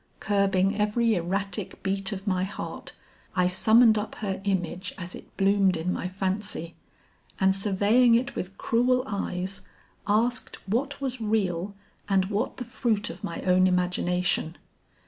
Curbing every erratic beat of my heart, I summoned up her image as it bloomed in my fancy, and surveying it with cruel eyes, asked what was real and what the fruit of my own imagination.